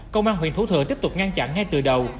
công an huyện thủ thừa tiếp tục ngăn chặn ngay từ đầu